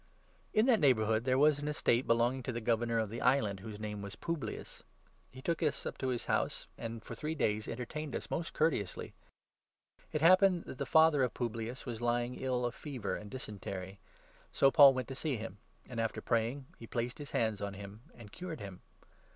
In that neighbourhood there was an estate belonging to the 7 Governor of the island, whose name was Publius. He took us up to his house, and for three days entertained us most courteously. It happened that the father of Publius was ly 8 ing ill of fever and dysentery. So Paul went to see him ; and, after praying, he placed his hands on him and cured him.